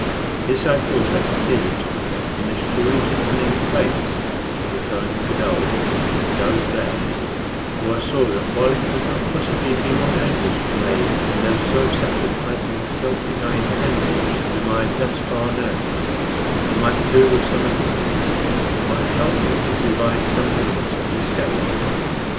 This I thought I perceived in the shrewd, cunning face of the Kohen Gadol, and I was glad; for I saw that while he could not possibly be more dangerous to me than those self sacrificing, self denying cannibals whom I had thus far known, he might prove of some assistance, and might help me to devise means of escape.